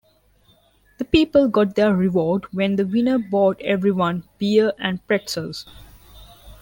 The people got their reward when the winner bought everyone beer and pretzels.